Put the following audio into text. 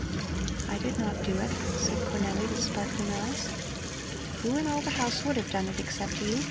"I did not do it," said Cornelli with sparkling eyes. "Who in all the house would have done it except you?